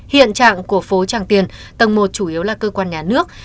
hiện trạng của phố tràng tiền tầng một chủ yếu là cơ quan nhà nước